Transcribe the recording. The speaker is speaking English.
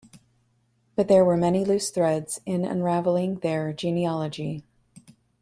But there were many loose threads in unravelling their genealogy.